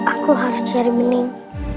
aku harus cari pening